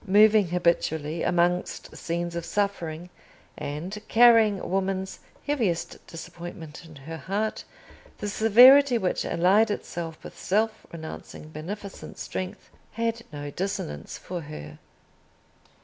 Moving habitually amongst scenes of suffering, and carrying woman's heaviest disappointment in her heart, the severity which allied itself with self renouncing beneficent strength had no dissonance for her.